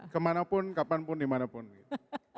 kemanapun kapanpun dimanapun gitu